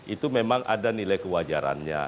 itu memang ada nilai kewajarannya